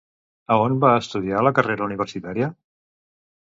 A on va estudiar la carrera universitària?